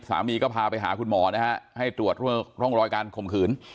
สามีก็พาไปหาคุณหมอนะฮะให้ตรวจร่องรอยการข่มขืน